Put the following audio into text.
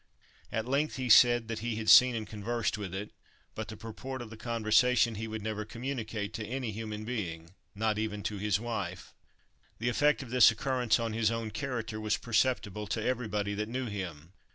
At length he said that he had seen and conversed with it; but the purport of the conversation he would never communicate to any human being, not even to his wife. The effect of this occurrence on his own character was perceptible to everybody that knew him.